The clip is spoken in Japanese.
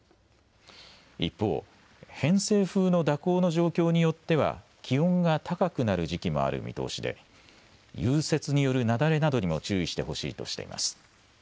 一方、偏西風の蛇行の状況によっては気温が高くなる時期もある見通しで融雪による雪崩などにも注意してほしいとしています。